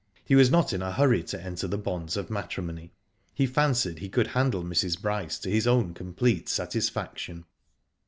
He was not in a hurry to enter the bonds of matrimony. He fancied he could handle Mrs. Bryce to his own complete satisfaction.